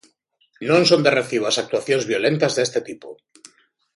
Non son de recibo as actuacións violentas deste tipo.